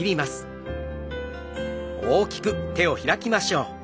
大きく開きましょう。